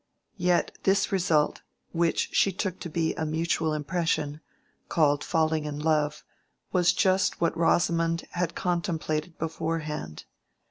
Yet this result, which she took to be a mutual impression, called falling in love, was just what Rosamond had contemplated beforehand.